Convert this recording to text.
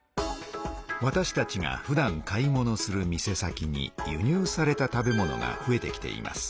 わたしたちがふだん買い物する店先に輸入された食べ物がふえてきています。